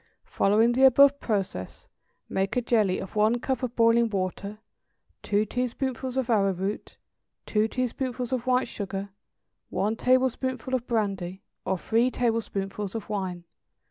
= Following the above process, make a jelly of one cup of boiling water, two teaspoonfuls of arrowroot, two teaspoonfuls of white sugar, one tablespoonful of brandy or three tablespoonfuls of wine.